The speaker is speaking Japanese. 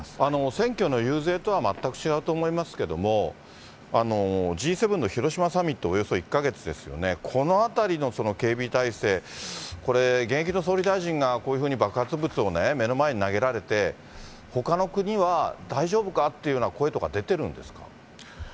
選挙の遊説とは全く違うと思いますけども、Ｇ７の広島サミット、およそ１か月ですよね、このあたりの警備態勢、これ、現役の総理大臣が、こういうふうに爆発物をね、目の前で投げられて、ほかの国は大丈夫かというような声とか出てるんですか。